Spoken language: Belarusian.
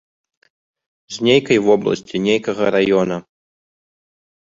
З нейкай вобласці, нейкага раёна.